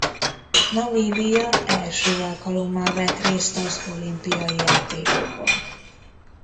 Namíbia első alkalommal vett részt az olimpiai játékokon.